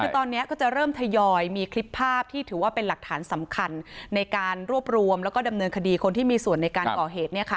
คือตอนนี้ก็จะเริ่มทยอยมีคลิปภาพที่ถือว่าเป็นหลักฐานสำคัญในการรวบรวมแล้วก็ดำเนินคดีคนที่มีส่วนในการก่อเหตุ